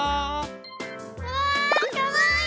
うわかわいい！